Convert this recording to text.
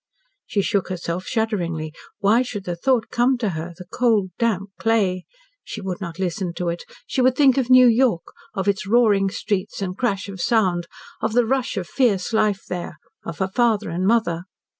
She shook herself shudderingly. Why should the thought come to her the cold damp clay? She would not listen to it, she would think of New York, of its roaring streets and crash of sound, of the rush of fierce life there of her father and mother.